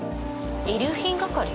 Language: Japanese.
遺留品係？